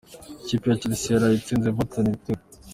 Ikipe ya Chelsea yaraye itsinze Everton ibitego.